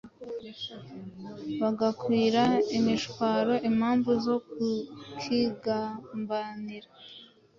bagakwira imishwaro. Impamvu zo kukigambanira